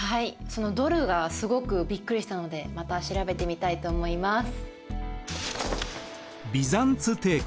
そのドルがすごくびっくりしたのでまた調べてみたいと思います。